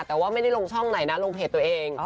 แต่ว่าไม่ได้ลงช่องไหนนะลงเพจตัวเอง